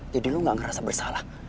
jadi lo nggak ngerasa bersalah